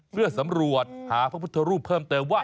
เพื่อสำรวจหาพระพุทธรูปเพิ่มเติมว่า